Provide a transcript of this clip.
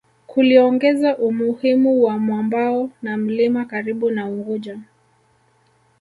Kuliongeza umuhimu wa mwambao wa mlima karibu na Unguja